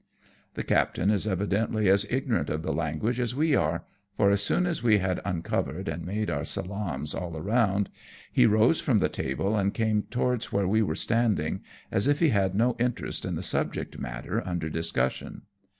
The captain is evidently as ignorant of the language as we are, for as soon as we had uncovered and made our salaams all round, he rose from the table and came towards where W€ were standing, as if he had no interest in the subject matter under discussion.